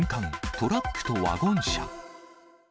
トラックとワゴン車。